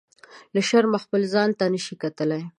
له شرمه خپل ځان ته نه شي کتلی.